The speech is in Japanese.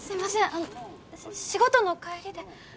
あの仕事の帰りで。